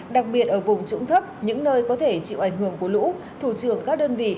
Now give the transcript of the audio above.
đặc biệt ở vùng trũng thấp những nơi có thể chịu ảnh hưởng của lũ thủ trưởng các đơn vị